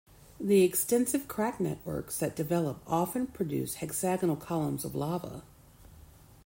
The extensive crack networks that develop often produce hexagonal columns of lava.